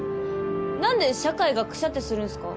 なんで社会がクシャってするんすか？